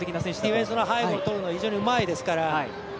ディフェンスの背後をとるのが非常にうまいですから。